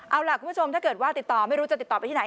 เอาล่ะคุณผู้ชมถ้าเกิดว่าติดต่อไม่รู้จะติดต่อไปที่ไหน